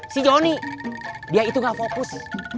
si joni dia itu gak fokus